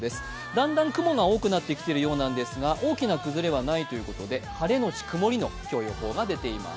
だんだん雲が多くなってきているようなんですが、大きな崩れはないということで、晴れのち曇りの今日は予想が出ています。